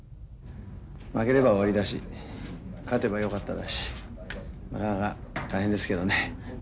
負ければ終わりだし勝てばよかっただしなかなか大変ですけどね。